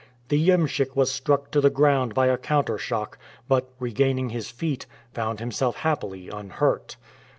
The iemschik was struck to the ground by a counter shock, but, regaining his feet, found himself happily unhurt.